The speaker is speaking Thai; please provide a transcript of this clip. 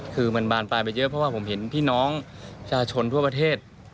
คือมันบานปลายไปเยอะเพราะว่าผมเห็นพี่น้องชาชนทั่วประเทศ